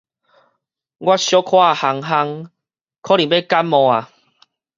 我小可仔烘烘，可能欲感冒矣